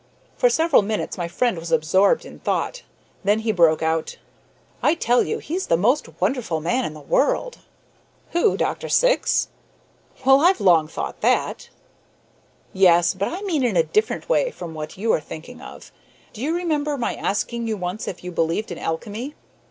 For several minutes my friend was absorbed in thought. Then he broke out: "I tell you he's the most wonderful man in the world!" "Who, Dr. Syx? Well, I've long thought that." "Yes, but I mean in a different way from what you are thinking of. Do you remember my asking you once if you believed in alchemy?"